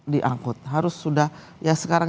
diangkut harus sudah ya sekarang